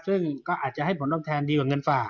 ซึ่งก็อาจจะให้ผลตอบแทนดีกว่าเงินฝาก